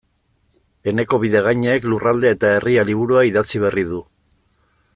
Eneko Bidegainek Lurraldea eta Herria liburua idatzi berri du.